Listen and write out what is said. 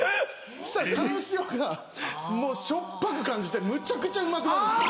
そしたらタン塩がもうしょっぱく感じてむちゃくちゃうまくなるんですよ。